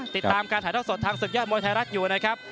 ติดตามการถ่ายเท่าสดทางศึกยอดมวยไทยรัฐอยู่นะครับ